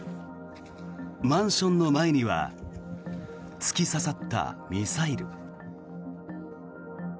マンションの前には突き刺さったミサイル。